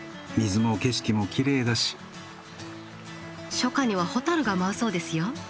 初夏には蛍が舞うそうですよ。